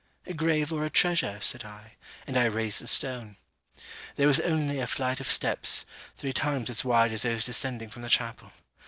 'A grave or a treasure?' said I, and I raised the stone. There was only a flight of steps, three times as wide as those descending from the chapel.